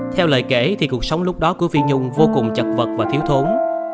theo lời kể thì cuộc sống lúc đó của phi nhung vô cùng chật vật và thiếu thốn